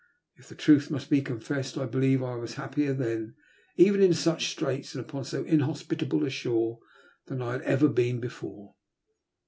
If the truth must be con fessed, I believe I was happier then^ even in such straits and upon so inhospitable a shore, than I had ever been before.